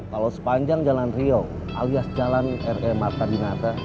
kalau sepanjang jalan rio alias jalan r e marta dinara